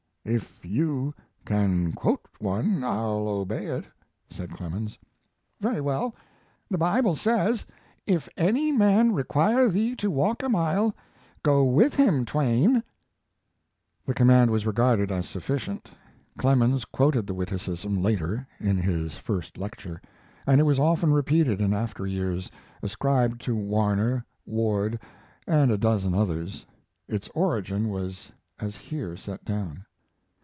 "If you can quote one I'll obey it," said Clemens. "Very well. The Bible says, 'If any man require thee to walk a mile, go with him, Twain.'" The command was regarded as sufficient. Clemens quoted the witticism later (in his first lecture), and it was often repeated in after years, ascribed to Warner, Ward, and a dozen others. Its origin was as here set down.